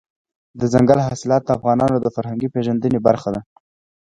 دځنګل حاصلات د افغانانو د فرهنګي پیژندنې برخه ده.